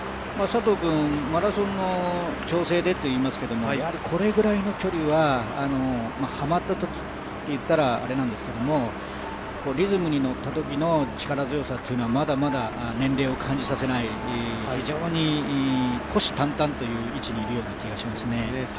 佐藤君、マラソンの調整でといいますけどこれぐらいの距離はハマったときと言ったらあれですけど、リズムに乗ったときの力強さはまだまだ年齢を感じさせない、非常に虎視眈々という位置にいるような気がしますね。